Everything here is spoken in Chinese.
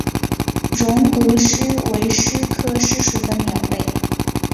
绒额䴓为䴓科䴓属的鸟类。